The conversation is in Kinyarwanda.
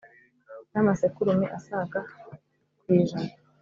n’amasekurume asaga ku ijana.